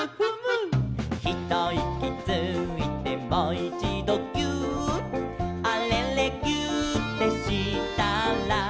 「ひといきついてもいちどぎゅーっ」「あれれぎゅーってしたら」